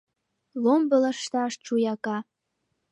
Ломбо лышташ чуяка